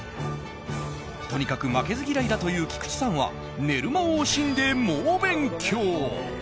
とにかく負けず嫌いだという菊池さんは寝る間を惜しんで猛勉強。